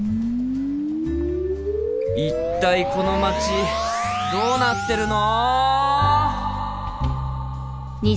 一体この街どうなってるの！？